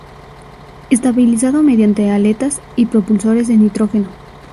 Estabilizado mediante aletas y propulsores de nitrógeno.